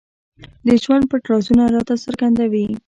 د ژوند پټ رازونه راته څرګندوي.